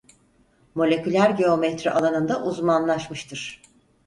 Moleküler geometri alanında uzmanlaşmıştır.